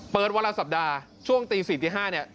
เปิดวันละสัปดาห์ช่วงตี๔๕เนี่ย